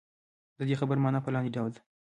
د دې خبرې معنا په لاندې ډول ده.